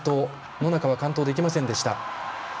野中は完登できませんでした。